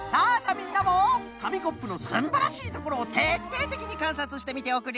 みんなもかみコップのすんばらしいところをてっていてきにかんさつしてみておくれ。